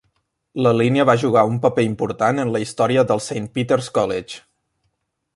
La línia va jugar un paper important en la història del Saint Peter's College.